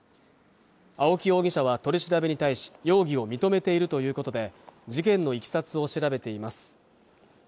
青木容疑者は取り調べに対し容疑を認めているということで事件の経緯を調べています